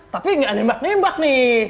tapi nggak nembak nembak nih